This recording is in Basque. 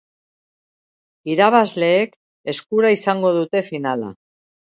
Irabazleek eskura izango dute finala.